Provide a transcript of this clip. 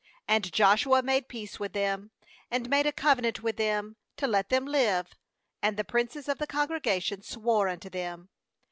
15And Joshua made peace with them, and made a covenant with them, to let them live; and the princes of the congregation swore unto them.